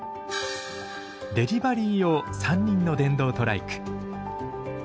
デリバリー用３輪の電動トライク。